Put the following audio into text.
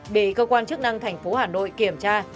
để cơ quan chức năng thành phố hà nội kiểm tra